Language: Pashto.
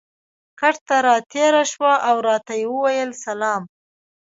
کټ ته را تېره شوه او راته یې وویل: سلام.